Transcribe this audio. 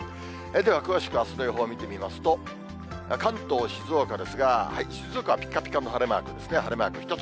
では詳しくあすの予報見てみますと、関東、静岡ですが、静岡はぴかぴかの晴れマークですね、晴れマーク１つ。